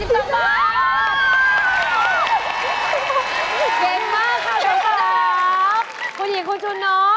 เย็นมากค่ะสำหรับคุณหญิงคุณชุน้อง